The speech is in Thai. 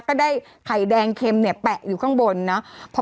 ก็ได้ไข่แดงเข็มเนี่ยแปะอยู่ข้างบนเนาะ